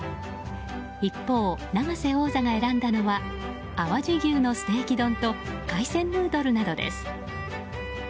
一方、永瀬王座が選んだのは淡路牛のステーキ丼と海鮮ヌードルなどです。